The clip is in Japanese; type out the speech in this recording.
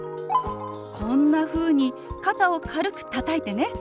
こんなふうに肩を軽くたたいてね。